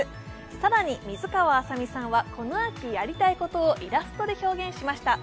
更に水川あさみさんは、この秋やりたいことをイラストで表現しました。